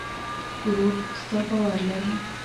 ورور ستا باور لري.